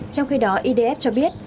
trong khi đó edf cho biết